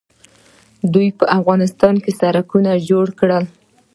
دوی په افغانستان کې سړکونه جوړ کړل.